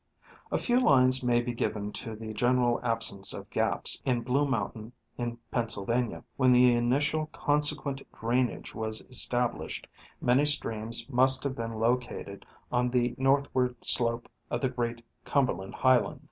A few lines may be given to the general absence of gaps in Blue Mountain in Pennsylvania. When the initial consequent drainage was established, many streams must have been located on the northward slope of the great Cumberland highland, C, C, fig.